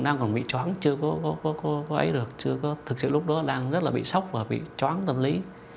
đang còn bị chóng chưa có ấy được chưa có thực sự lúc đó đang rất là bị sốc và bị chóng tâm lý